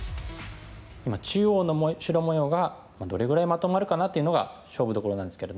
今中央の白模様がどれぐらいまとまるかなっていうのが勝負どころなんですけれども。